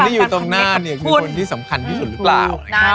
อยู่ตรงหน้าเนี่ยคือคนที่สำคัญที่สุดหรือเปล่า